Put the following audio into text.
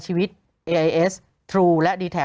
โหยวายโหยวายโหยวาย